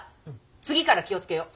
次から気をつけよう！